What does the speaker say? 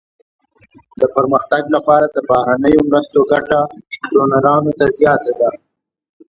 د پرمختګ لپاره د بهرنیو مرستو ګټه ډونرانو ته زیاته ده.